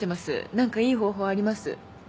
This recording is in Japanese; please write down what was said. なんかいい方法あります？